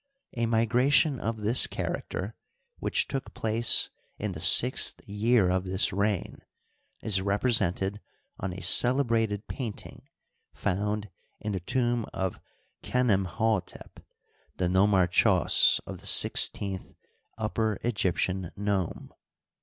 A migration of this character which took place in the sixth year of this reign is represented on a celebrated painting found in the tomb of Cknemkdtepy the nomarchos of the sixteenth Upper Egyptian nome.